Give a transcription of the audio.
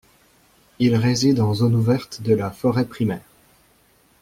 Il réside en zone ouverte de la forêt primaire.